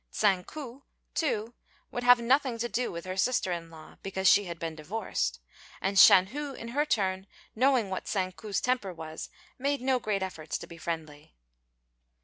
Tsang ku, too, would have nothing to do with her sister in law, because she had been divorced; and Shan hu in her turn, knowing what Tsang ku's temper was, made no great efforts to be friendly.